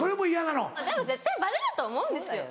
でも絶対バレると思うんですよ